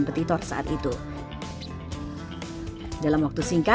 belum ada kan waktu itu